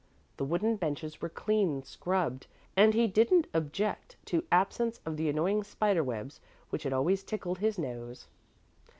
The wooden benches were clean scrubbed, and he didn't object to absence of the annoying spider webs, which had always tickled his nose.